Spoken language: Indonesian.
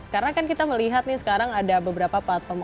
karena kan kita melihat nih sekarang ada beberapa platform